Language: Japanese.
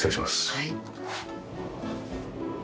はい。